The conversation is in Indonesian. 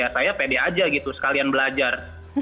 saya pede aja gitu sekalian belajar